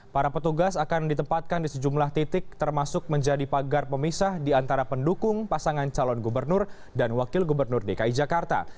para petugas akan ditempatkan di sejumlah titik termasuk menjadi pagar pemisah di antara pendukung pasangan calon gubernur dan wakil gubernur dki jakarta